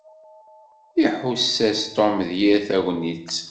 Iḥuss-as Tom d yir tagnit.